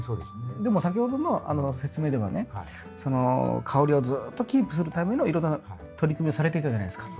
でも先ほどの説明ではね香りをずっとキープするためのいろんな取り組みをされていたじゃないですか。